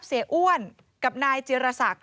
เสียอ้วนกับนายจิรษัก